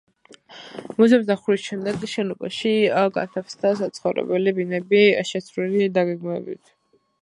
მუზეუმის დახურვის შემდეგ შენობაში განთავსდა საცხოვრებელი ბინები შეცვლილი დაგეგმარებით.